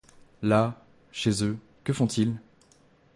Là, chez eux, que font-ils?